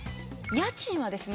家賃はですね